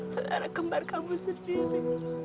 secara kembar kamu sendiri